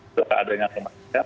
setelah adanya kemasyarakat